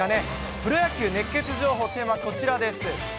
プロ野球熱ケツ情報、テーマはこちらです。